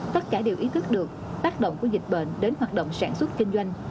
tất cả đều ý thức được tác động của dịch bệnh đến hoạt động sản xuất kinh doanh